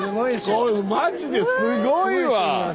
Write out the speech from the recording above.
これマジですごいわ。